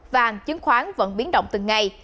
và chứng khoán vẫn biến động từng ngày